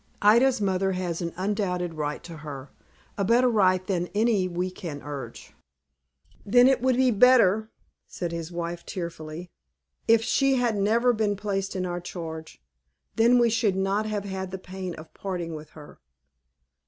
Ida's mother has an undoubted right to her; a better right than any we can urge." "Then it would be better," said his wife, tearfully, "if she had never been placed in our charge. Then we should not have had the pain of parting with her."